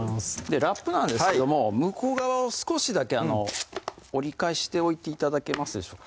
ラップなんですけども向こう側を少しだけ折り返しておいて頂けますでしょうか